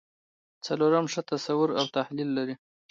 څلورم ښه تصور او تحلیل لري.